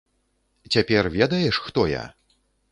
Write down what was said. Цяпер ведаеш, хто я?